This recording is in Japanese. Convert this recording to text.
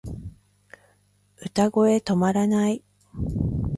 歌声止まらない